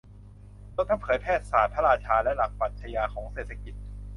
รวมทั้งเผยแพร่ศาสตร์พระราชาและหลักปรัชญาของเศรษฐกิจ